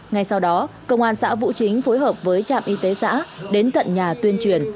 ngay sau đó công an xã vũ chính phối hợp với trạm y tế xã đến tận nhà tuyên truyền